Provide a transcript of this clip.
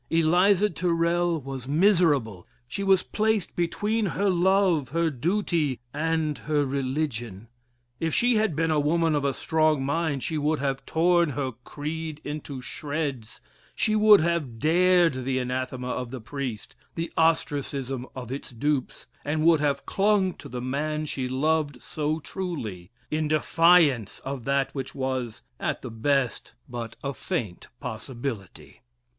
Eliza Tyrrel was miserable; she was placed between her love, her duty, and her religion. If she had been a woman of a strong mind, she would have torn her creed into shreds, she would have dared the anathema of the priest the ostracism of its dupes and would have clung to the man she loved so truly, in defiance of that which was, at the best, but a faint possibility.